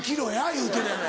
言うてるやない。